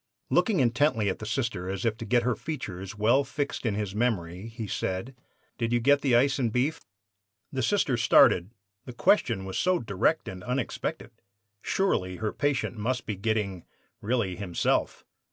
Looking intently at the Sister, as if to get her features well fixed in his memory, he said: "'Did you get the ice and beef?' "The Sister started. The question was so direct and unexpected. Surely her patient must be getting really himself!